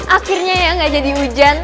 akhirnya yang ngga jadi ujan